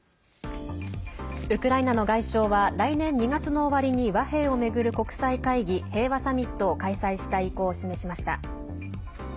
ウクライナの外相は来年２月の終わりに和平を巡る国際会議平和サミットを開催したい意向を示しました。